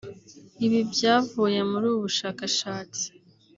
Ibi byavuye muri ubu bushakashatsi